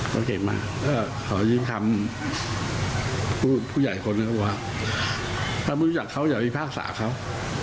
เขาเก่งมากขอยิ้มคำผู้ใหญ่คนก็ว่าถ้าไม่รู้จักเขาอย่าไปภาคศาสตร์เขา